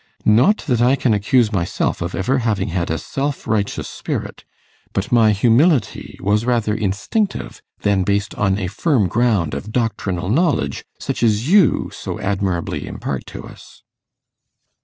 Not that I can accuse myself of having ever had a self righteous spirit, but my humility was rather instinctive than based on a firm ground of doctrinal knowledge, such as you so admirably impart to us.